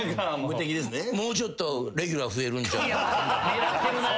狙ってるなあ。